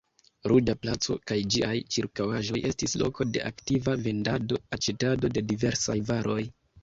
Ruĝa placo kaj ĝiaj ĉirkaŭaĵoj estis loko de aktiva vendado-aĉetado de diversaj varoj.